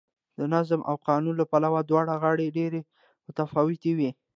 د نظم او قانون له پلوه دواړه غاړې ډېرې متفاوتې وې